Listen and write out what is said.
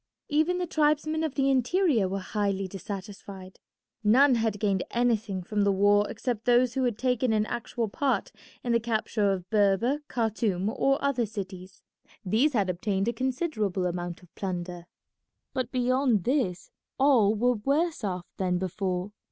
Even the tribesmen of the interior were highly dissatisfied. None had gained anything from the war except those who had taken an actual part in the capture of Berber, Khartoum, or other cities. These had obtained a considerable amount of plunder. But beyond this all were worse off than before.